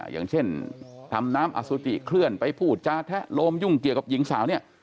อย่างเช่นทำน้ำอสุจิเคลื่อนไปพูดจาแทะโลมยุ่งเกี่ยวกับหญิงสาวเนี่ย